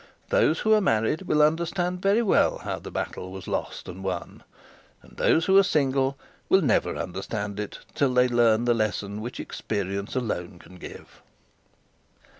Those who are married will understand very well how the battle was lost and won; and those who are single will never understand it till they learn the lesson which experience alone can give.